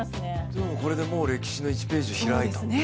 でもこれで歴史の１ページを開いた。